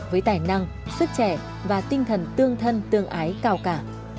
với tài năng sức trẻ và tinh thần tương thân tương ái cao cả